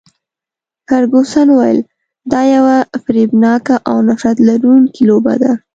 فرګوسن وویل، دا یوه فریبناکه او نفرت لرونکې لوبه ده.